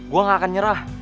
gue gak akan nyerah